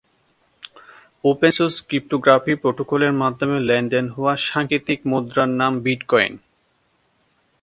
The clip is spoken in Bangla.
ওপেন সোর্স ক্রিপ্টোগ্রাফিক প্রটোকলের মাধ্যমে লেনদেন হওয়া সাংকেতিক মুদ্রার নাম বিটকয়েন।